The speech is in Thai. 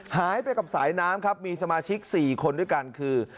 หายไปกับสายน้ำครับมีสมาชิก๔คนด้วยกันคือ